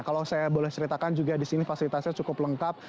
kalau saya boleh ceritakan juga di sini fasilitasnya cukup lengkap